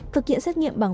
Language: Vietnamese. thực hiện xét nghiệm bằng